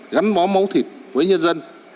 gắn bó máu thịt với nhân dân